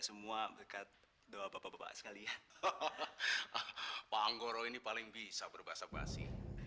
semua dekat doa bapak bapak sekali ya pak anggoro ini paling bisa berbahasa bahasi